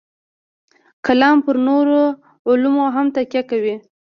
کلام پر نورو علومو هم تکیه کوي.